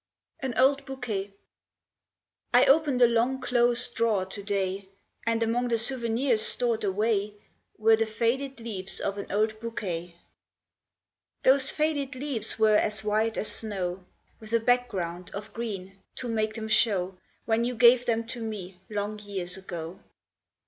AN OLD BOUQUET I opened a long closed drawer to day, And among the souvenirs stored away Were the faded leaves of an old bouquet. Those faded leaves were as white as snow, With a background of green, to make them show, When you gave them to me long years ago.